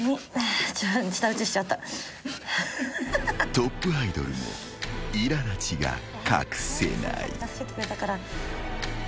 ［トップアイドルもいら立ちが隠せない］